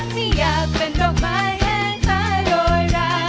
ไม่อยากเป็นดอกไม้แหงขายด้วยรัก